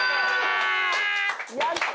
やったー！